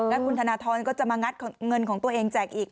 แล้วคุณธนทรก็จะมางัดเงินของตัวเองแจกอีก